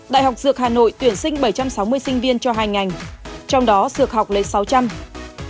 đại học dược hà nội tuyển sinh bảy trăm sáu mươi sinh viên cho hai ngành trong đó dược học lấy sáu trăm linh